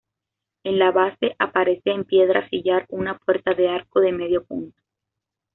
En la base aparece en piedra sillar una puerta de arco de medio punto.